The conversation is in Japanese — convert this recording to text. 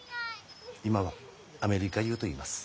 今はアメリカ世といいます。